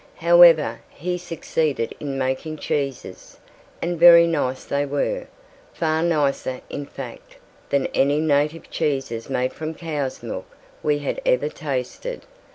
However, he succeeded in making cheeses, and very nice they were, far nicer in fact than any native cheeses made from cows' milk we had ever tasted.